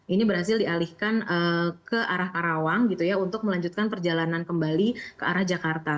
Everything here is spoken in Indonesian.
ini berhasil dialihkan ke arah karawang gitu ya untuk melanjutkan perjalanan kembali ke arah jakarta